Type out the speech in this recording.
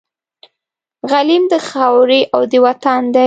غلیم د خاوري او د وطن دی